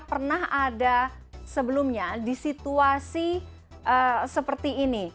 pernah ada sebelumnya di situasi seperti ini